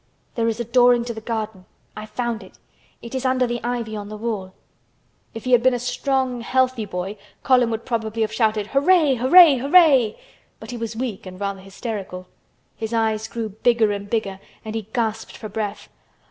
There is a door into the garden. I found it. It is under the ivy on the wall." If he had been a strong healthy boy Colin would probably have shouted "Hooray! Hooray! Hooray!" but he was weak and rather hysterical; his eyes grew bigger and bigger and he gasped for breath.